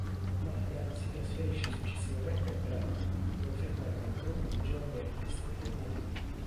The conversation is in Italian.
Maya si trasferisce successivamente a Praga dove frequenta un gruppo di giovani artisti alternativi.